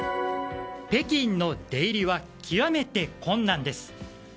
北京の出入りは極めて困難です。